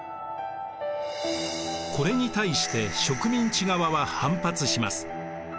これに対して植民地側は反発します。